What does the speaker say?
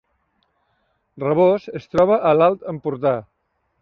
Rabós es troba a l’Alt Empordà